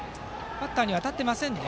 バッターには当たっていませんね。